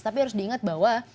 tapi harus diingat bahwa